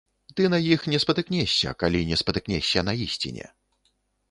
Ты на іх не спатыкнешся, калі не спатыкнешся на ісціне.